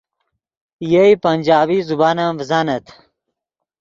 یئے پنجابی زبان ام ڤزانت